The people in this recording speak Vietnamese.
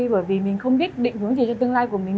bởi vì mình không biết định hướng gì cho tương lai của mình